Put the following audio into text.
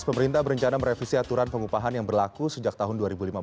pemerintah berencana merevisi aturan pengupahan yang berlaku sejak tahun dua ribu lima belas